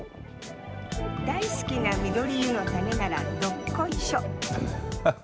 大好きなみどり湯のためならどっこいしょっと。